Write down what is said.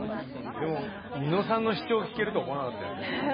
でも、みのさんの主張、聞けると思わなかったね。